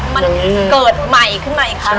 มันเกิดใหม่ขึ้นมาอีกครั้ง